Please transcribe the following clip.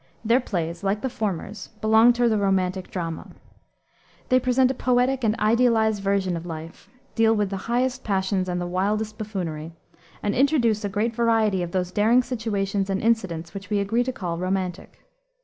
Their plays, like the former's, belong to the romantic drama. They present a poetic and idealized version of life, deal with the highest passions and the wildest buffoonery, and introduce a great variety of those daring situations and incidents which we agree to call romantic.